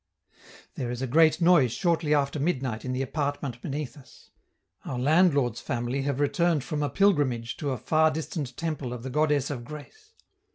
There is a great noise shortly after midnight in the apartment beneath us: our landlord's family have returned from a pilgrimage to a far distant temple of the Goddess of Grace.